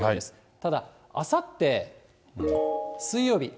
ただ、あさって水曜日。